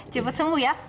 cepet sembuh ya